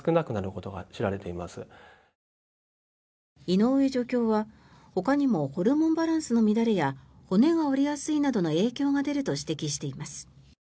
井上助教は、ほかにもホルモンバランスの乱れや骨が折れやすいなどの影響が出ると指摘しています。